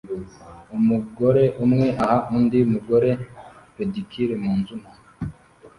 Umugore umwe aha undi mugore pedicure munzu nto